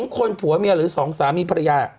๒คนผัวเมียหรือ๒สามีภรรยา